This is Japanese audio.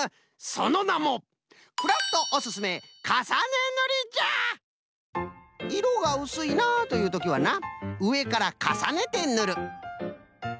そのなもいろがうすいなあというときはなうえからかさねてぬる。